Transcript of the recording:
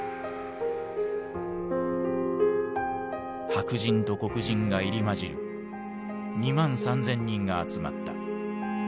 白人と黒人が入り交じる２万３，０００人が集まった。